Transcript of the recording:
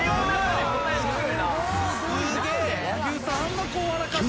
すげえ。